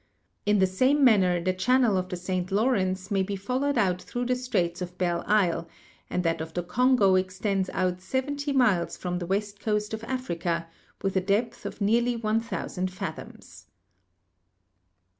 In the same manner the channel of the St. Lawrence may be followed out through the Straits of Belle Isle, and that of the Congo extends out 70 miles from the west coast of Africa, with a depth of nearly 1,000 fathoms.